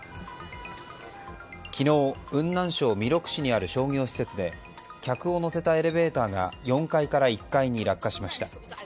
昨日、雲南省弥勒市にある商業施設で客を乗せたエレベーターが４階から１階に落下しました。